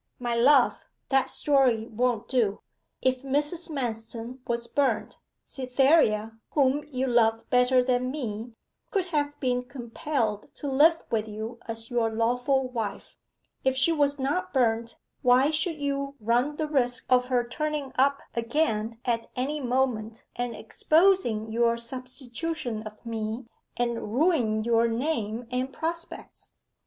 'My love, that story won't do. If Mrs. Manston was burnt, Cytherea, whom you love better than me, could have been compelled to live with you as your lawful wife. If she was not burnt, why should you run the risk of her turning up again at any moment and exposing your substitution of me, and ruining your name and prospects?